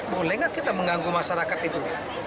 boleh nggak kita mengganggu masyarakat itu